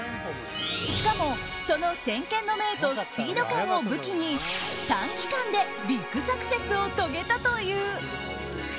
しかも、その先見の明とスピード感を武器に短期間でビッグサクセスを遂げたという。